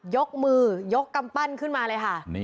ยกมือยกกำปั้นขึ้นมาเลยค่ะ